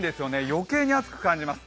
余計に暑く感じます。